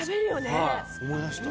はい思い出した。